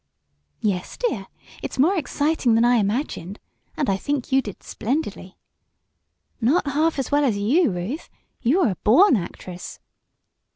"Yes, dear! It's more exciting than I imagined. And I think you did splendidly!" "Not half as well as you, Ruth. You are a born actress!"